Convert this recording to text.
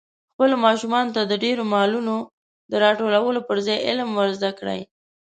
خپلو ماشومانو ته د ډېرو مالونو د راټولولو پر ځای علم ور زده کړئ.